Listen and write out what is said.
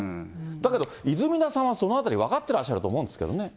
だけど、泉田さんはそのあたり分かってらっしゃると思うんですけどね。